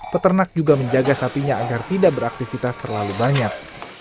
peternak juga menjaga sapinya agar tidak beraktivitas terlalu banyak